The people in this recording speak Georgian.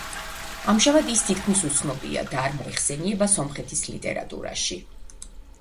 ამჟამად ის თითქმის უცნობია და არ მოიხსენიება სომხეთის ლიტერატურაში.